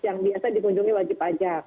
yang biasa dikunjungi wajib pajak